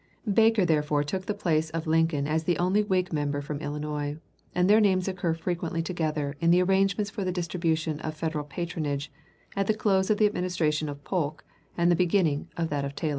Baker therefore took the place of Lincoln as the only Whig member from Illinois, and their names occur frequently together in the arrangements for the distribution of "Federal patronage" at the close of the Administration of Polk and the beginning of that of Taylor.